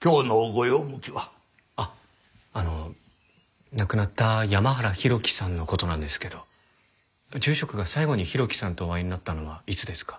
あっあの亡くなった山原浩喜さんの事なんですけど住職が最後に浩喜さんとお会いになったのはいつですか？